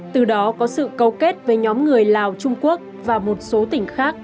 từ đó có sự câu kết với nhóm người lào trung quốc và một số tỉnh khác